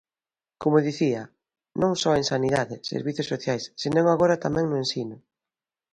Como dicía, non só en sanidade, servizos sociais, senón agora tamén no ensino.